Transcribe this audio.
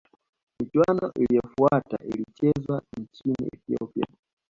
michuano iliyofuata ilichezwa nchini ethiopia